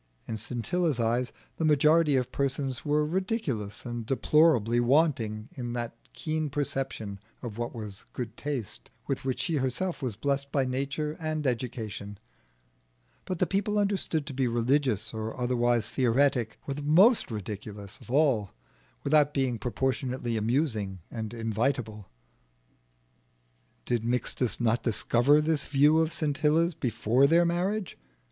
In Scintilla's eyes the majority of persons were ridiculous and deplorably wanting in that keen perception of what was good taste, with which she herself was blest by nature and education; but the people understood to be religious or otherwise theoretic, were the most ridiculous of all, without being proportionately amusing and invitable. Did Mixtus not discover this view of Scintilla's before their marriage?